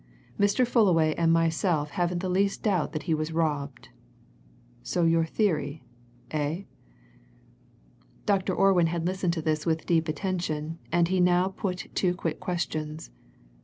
Mr. Fullaway and myself haven't the least doubt that he was robbed. So your theory eh?" Dr. Orwin had listened to this with deep attention, and he now put two quick questions.